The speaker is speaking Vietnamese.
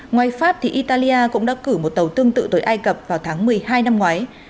ngoài pháp italia cũng đã cử một tàu tương tự tới ai cập vào tháng một mươi hai năm ngoái